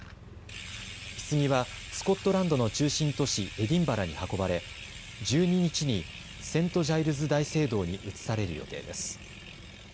ひつぎはスコットランドの中心都市エディンバラに運ばれ１２日にセントジャイルズ大聖堂に移される予定です。